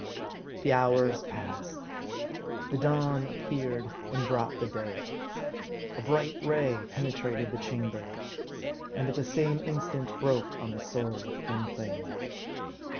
The hours passed. The dawn appeared and brought the day. A bright ray penetrated the chamber, and at the same instant broke on the soul of Gwynplaine.